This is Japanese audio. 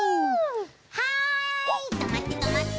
・はいとまってとまって！